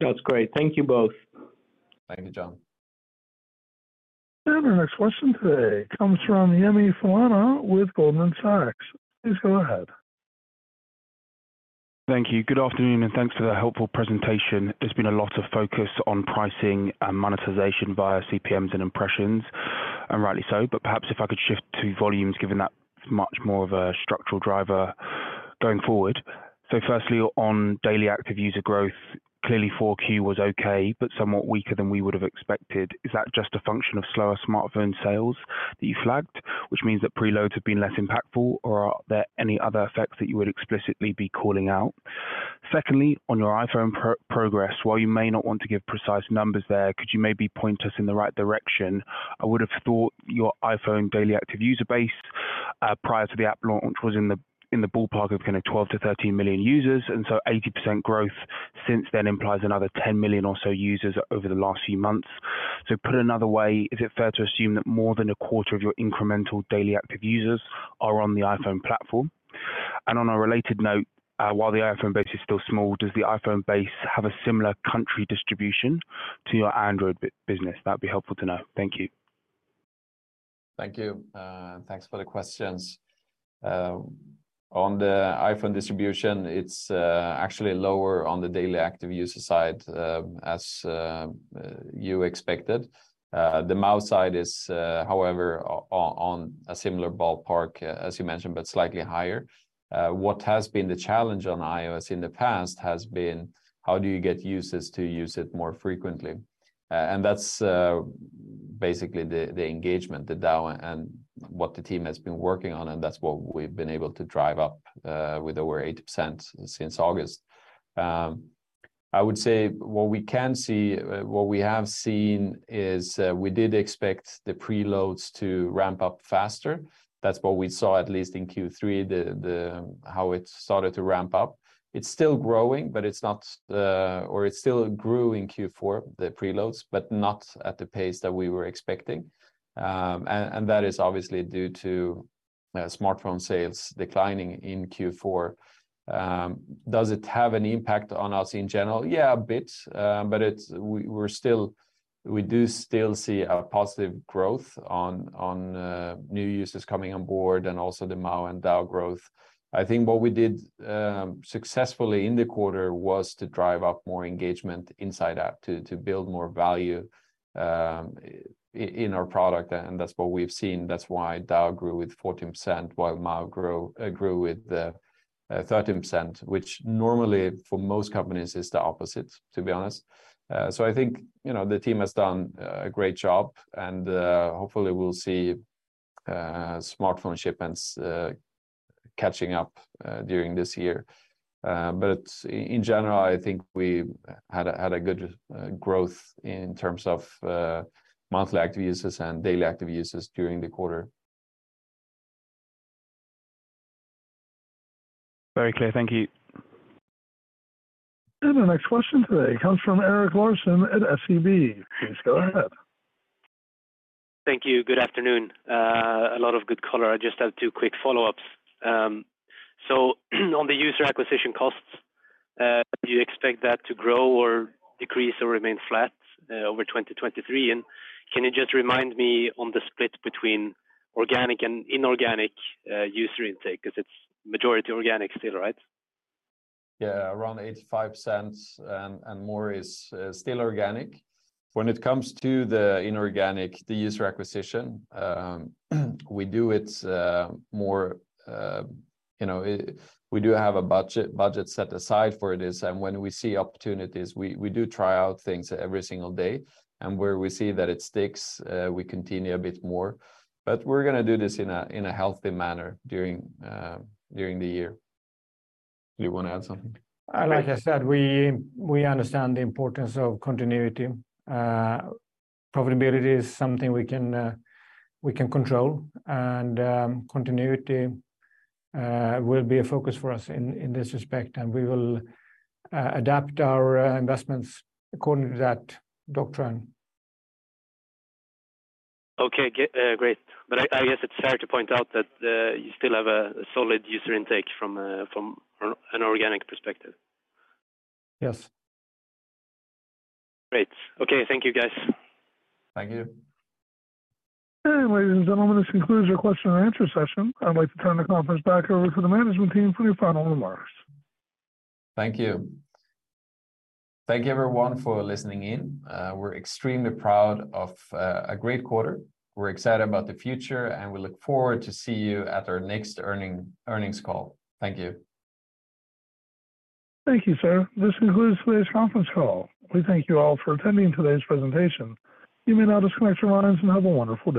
That's great. Thank you both. Thank you, John. Our next question today comes from Yemi Falana with Goldman Sachs. Please go ahead. Thank you. Good afternoon, and thanks for the helpful presentation. There's been a lot of focus on pricing and monetization via CPMs and impressions, and rightly so. Perhaps if I could shift to volumes, given that much more of a structural driver going forward. Firstly, on daily active user growth, clearly 4Q was okay, but somewhat weaker than we would have expected. Is that just a function of slower smartphone sales that you flagged, which means that preloads have been less impactful, or are there any other effects that you would explicitly be calling out? Secondly, on your iPhone progress, while you may not want to give precise numbers there, could you maybe point us in the right direction? I would have thought your iPhone daily active user base, prior to the app launch was in the, in the ballpark of kinda 12 million-13 million users. So 80% growth since then implies another 10 million or so users over the last few months. So put another way, is it fair to assume that more than a quarter of your incremental daily active users are on the iPhone platform? On a related note, while the iPhone base is still small, does the iPhone base have a similar country distribution to your Android business? That'd be helpful to know. Thank you. Thank you, and thanks for the questions. On the iPhone distribution, it's actually lower on the daily active user side, as you expected. The MAU side is, however, on a similar ballpark as you mentioned, but slightly higher. What has been the challenge on iOS in the past has been how do you get users to use it more frequently? That's basically the engagement, the DAU and what the team has been working on, and that's what we've been able to drive up with over 80% since August. I would say what we have seen is, we did expect the preloads to ramp up faster. That's what we saw, at least in Q3, how it started to ramp up. It's still growing, but it's not or it still grew in Q4, the preloads, but not at the pace that we were expecting. That is obviously due to smartphone sales declining in Q4. Does it have an impact on us in general? Yeah, a bit, but it's, we're still, we do still see a positive growth on new users coming on board and also the MAU and DAU growth. I think what we did successfully in the quarter was to drive up more engagement inside app to build more value, in our product, and that's what we've seen. That's why DAU grew with 14% while MAU grew with 13%, which normally for most companies is the opposite, to be honest. I think, you know, the team has done a great job, hopefully we'll see smartphone shipments catching up during this year. In general, I think we had a good growth in terms of monthly active users and daily active users during the quarter. Very clear. Thank you. The next question today comes from Erik Larsson at SEB. Please go ahead. Thank you. Good afternoon. A lot of good color. I just have two quick follow-ups. On the user acquisition costs, do you expect that to grow or decrease or remain flat over 2023? Can you just remind me on the split between organic and inorganic user intake? 'Cause it's majority organic still, right? Yeah. Around $0.85, more is still organic. When it comes to the inorganic, the user acquisition, we do it you know, we do have a budget set aside for this. When we see opportunities, we do try out things every single day. Where we see that it sticks, we continue a bit more. We're gonna do this in a healthy manner during the year. Do you wanna add something? Like I said, we understand the importance of continuity. Profitability is something we can control, and continuity will be a focus for us in this respect, and we will adapt our investments according to that doctrine. Okay. great. I guess it's fair to point out that you still have a solid user intake from an organic perspective. Yes. Great. Okay. Thank you, guys. Thank you. Ladies and gentlemen, this concludes your question-and-answer session. I'd like to turn the conference back over to the management team for your final remarks. Thank you. Thank you, everyone, for listening in. We're extremely proud of a great quarter. We're excited about the future, and we look forward to see you at our next earnings call. Thank you. Thank you, sir. This concludes today's conference call. We thank you all for attending today's presentation. You may now disconnect your lines and have a wonderful day.